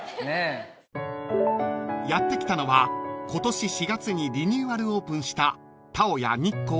［やって来たのは今年４月にリニューアルオープンした］